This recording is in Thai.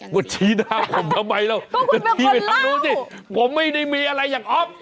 ก็คุณเป็นคนเล่าผมไม่ได้มีอะไรอย่างอ้อฟ